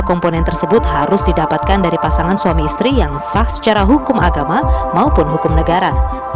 komponen tersebut harus didapatkan dari pasangan suami istri yang sah secara hukum agama maupun hukum negara